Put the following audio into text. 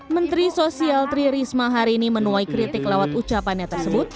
menteri sosial tri risma hari ini menuai kritik lewat ucapannya tersebut